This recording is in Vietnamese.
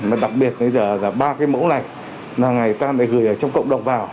mà đặc biệt bây giờ là ba cái mẫu lạch là người ta lại gửi ở trong cộng đồng vào